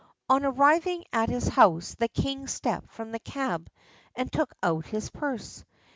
On arriving at his house the king stepped from the cab and took out his purse.